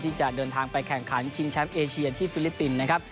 ที่จะเดินทางไปแข่งขันชิงแชมป์เอเชียที่ฟิลิปปินส์นะครับ